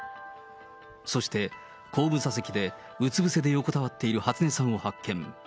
そして、後部座席でうつ伏せで横たわっている初音さんを発見。